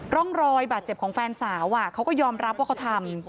ร่องรอยบาดเจ็บของแฟนสาวเขาก็ยอมรับว่าเขาทำ